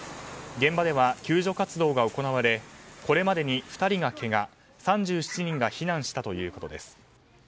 現場では救助活動が行われこれまでに２人がけが３７人が避難したということです。